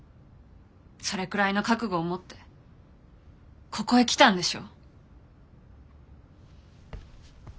それくらいの覚悟を持ってここへ来たんでしょ。